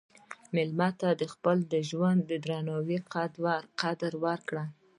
مېلمه ته د خپل ژوند دروند قدر ورکړه.